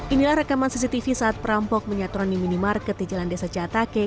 inilah rekaman cctv saat perampok menyaturan di minimarket di jalan desa catake